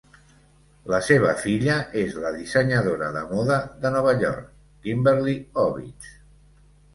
La seva filla és la dissenyadora de moda de Nova York Kimberly Ovitz.